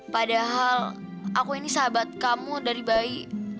padahal aku ini sahabat kamu dari bayi